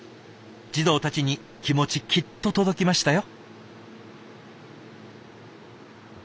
児童たちに気持ちきっと届きましたよ。